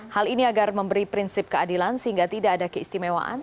hal ini agar memberi prinsip keadilan sehingga tidak ada keistimewaan